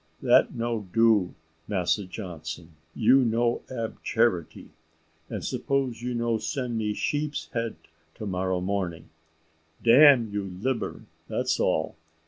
That no do, Massa Johnson; you no ab charity; and suppose you no send me sheep's head to morrow morning, dam you libber, that's all.